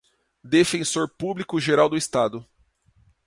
defensor público-geral do Estado